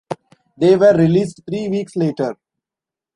They were released three weeks later.